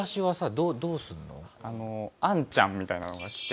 あんちゃんみたいなのが来て。